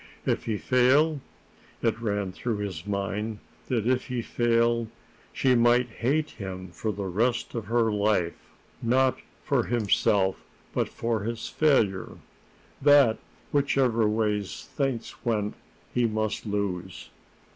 If he failed It ran through his mind that if he failed she might hate him the rest of her life not for himself, but for his failure; that, whichever way things went, he must lose.